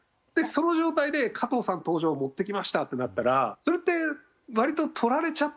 その状態で加藤さん登場持ってきましたってなったらそれって割と取られちゃった感ありません？